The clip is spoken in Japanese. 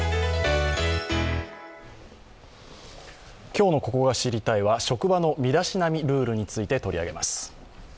今日の「ココが知りたい！」は、職場の身だしなみルールについて取り上げます。